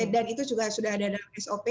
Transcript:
dan itu juga sudah ada dalam sop